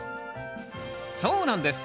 そうなんです。